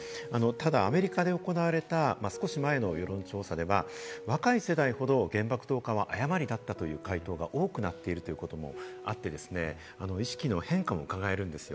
アメリカで行われた少し前の世論調査では、若い世代ほど原爆投下は誤りだったという回答が多くなっているということもあって、意識の変化もうかがえるんです。